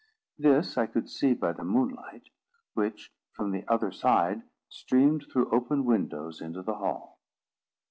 This I could see by the moonlight, which, from the other side, streamed through open windows into the hall.